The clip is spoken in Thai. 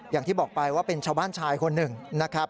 อย่างที่บอกไปว่าเป็นชาวบ้านชายคนหนึ่งนะครับ